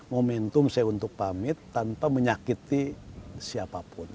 momentum saya untuk pamit tanpa menyakiti siapapun